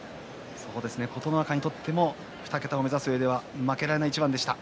琴ノ若にとっても２桁を目指すうえでは負けられない一番でした。